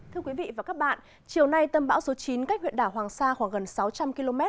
thưa quý vị và các bạn chiều nay tâm bão số chín cách huyện đảo hoàng sa khoảng gần sáu trăm linh km